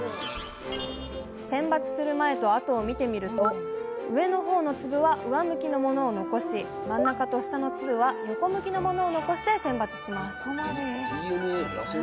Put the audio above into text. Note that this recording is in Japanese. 選抜する前と後を見てみると上の方の粒は上向きのものを残し真ん中と下の粒は横向きのものを残して選抜します